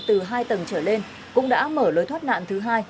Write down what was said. từ hai tầng trở lên cũng đã mở lối thoát nạn thứ hai